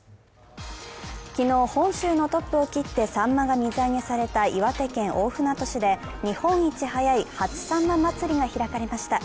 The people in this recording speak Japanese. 昨日、本州のトップを切ってさんまが水揚げされた岩手県大船渡市で日本一早い初さんま祭が開かれました。